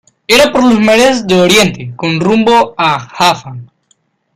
era por los mares de Oriente, con rumbo a Jafa.